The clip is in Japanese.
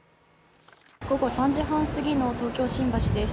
午後３時半過ぎの東京・新橋です。